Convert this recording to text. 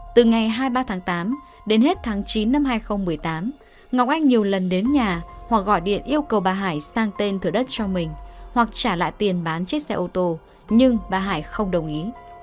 từ ngày hai mươi ba tháng tám đến hết tháng chín năm hai nghìn một mươi tám ngọc anh nhiều lần đến nhà hoặc gọi điện yêu cầu bà hải sang tên thửa đất cho mình hoặc trả lại tiền bán chiếc xe ô tô nhưng bà hải không đồng ý